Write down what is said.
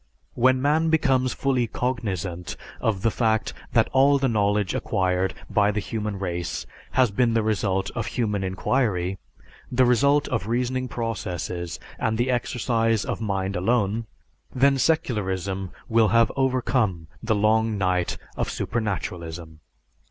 When man becomes fully cognizant of the fact that all the knowledge acquired by the human race has been the result of human inquiry, the result of reasoning processes, and the exercise of mind alone, then secularism will have overcome the long night of supernaturalism.